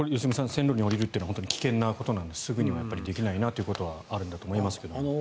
線路に下りるというのは本当に危険なことなのですぐにはできないということはあるのかもしれませんが。